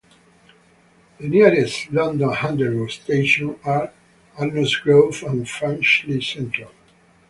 The nearest London Underground stations are Arnos Grove and Finchley Central.